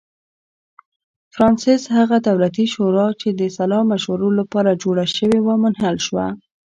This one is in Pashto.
فرانسس هغه دولتي شورا چې د سلا مشورو لپاره جوړه شوې وه منحل کړه.